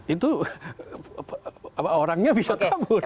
itu orangnya bisa kabur